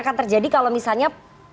akan terjadi kalau misalnya